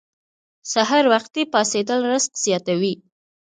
سحر وختي پاڅیدل رزق زیاتوي.